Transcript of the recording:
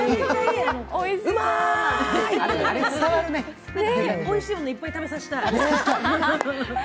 おいしいものをいっぱい食べさせたい。